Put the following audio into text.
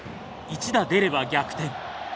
一打出れば逆転。